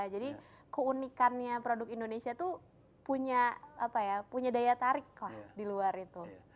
jadi keunikannya produk indonesia tuh punya apa ya punya daya tarik lah di luar itu